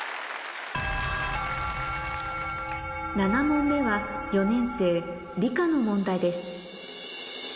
７問目は４年生理科の問題です